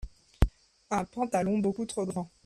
un pantalon beaucoup trop grand.